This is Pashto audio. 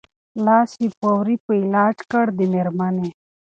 لاس یې پوري په علاج کړ د مېرمني